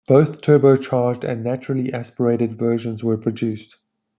Both turbocharged and naturally aspirated versions were produced.